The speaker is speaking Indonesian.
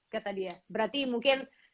kata dia berarti mungkin